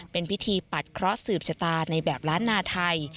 เป็นพิธีปัดเคราะห์สืบชะตาในแบบล้านนาไทย